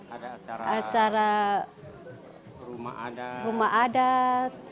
ada acara rumah adat